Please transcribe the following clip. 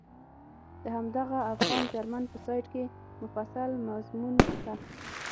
د همدغه افغان جرمن په سایټ کې مفصل مضمون شته.